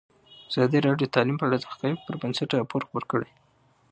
ازادي راډیو د تعلیم په اړه د حقایقو پر بنسټ راپور خپور کړی.